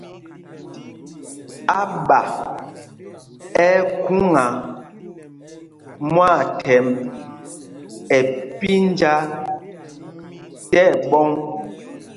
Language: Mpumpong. Áɓa ɛ́ ɛ́ khúŋa mwâthɛmb ɛ pínjá tí ɛɓɔ̄ŋ.